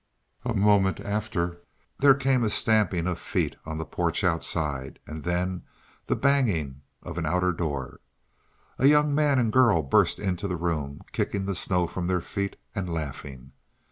A moment after there came a stamping of feet on the porch outside, and then the banging of an outer door. A young man and girl burst into the room, kicking the snow from their feet and laughing.